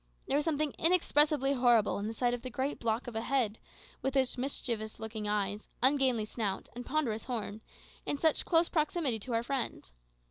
There was something inexpressibly horrible in the sight of the great block of a head, with its mischievous looking eyes, ungainly snout, and ponderous horn, in such close proximity to our friend.